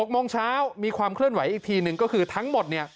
๖โมงเช้ามีความเคลื่อนไหวอีกทีหนึ่งก็คือทั้งหมด